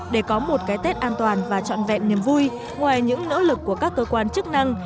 để có một cái tết an toàn và trọn vẹn niềm vui ngoài những nỗ lực của các cơ quan chức năng